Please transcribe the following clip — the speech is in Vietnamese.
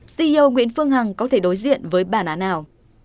ceo nguyễn phương hằng có thể đối diện với bà nga nào